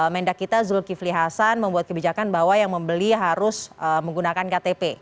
mendak kita zulkifli hasan membuat kebijakan bahwa yang membeli harus menggunakan ktp